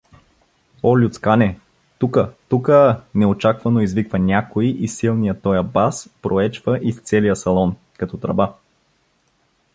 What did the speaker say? O, Люцкане! Тука! Тука-а-а!—неочаквано извиква някой и силният тоя бас проечава из целия салон, като тръба.